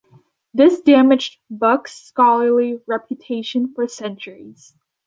This damaged Buck's scholarly reputation for centuries.